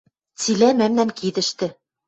Цилӓ мӓмнӓн кидӹштӹ.